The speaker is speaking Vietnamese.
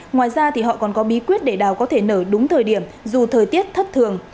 ngoài ra thì họ còn có bí quyết để đào có thể nở đúng thời điểm dù thời tiết thất thường